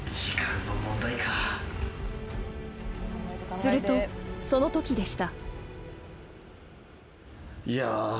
［するとそのときでした］